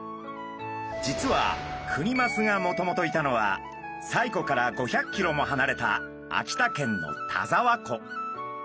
実はクニマスがもともといたのは西湖から５００キロもはなれた秋田県の田沢湖。